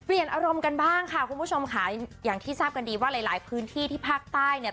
อารมณ์กันบ้างค่ะคุณผู้ชมค่ะอย่างที่ทราบกันดีว่าหลายหลายพื้นที่ที่ภาคใต้เนี่ย